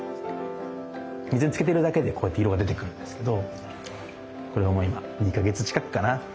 水につけてるだけでこうやって色が出てくるんですけどこれはもう今２か月近くかな。